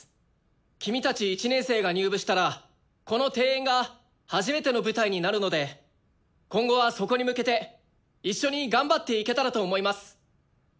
君たち１年生が入部したらこの定演が初めての舞台になるので今後はそこに向けて一緒に頑張っていけたらと思います。